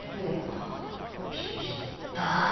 ビビった。